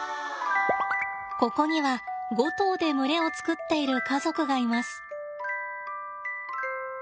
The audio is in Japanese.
ここには５頭で群れを作っている家族がいます。